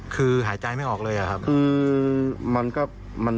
คือหายใจไม่ออกเลยอะครับ